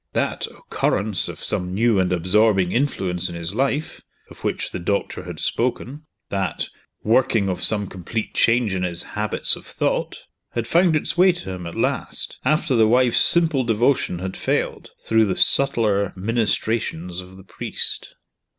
That "occurrence of some new and absorbing influence in his life," of which the doctor had spoken that "working of some complete change in his habits of thought" had found its way to him at last, after the wife's simple devotion had failed, through the subtler ministrations of the priest.